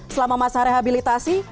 selama masa rehabilitasi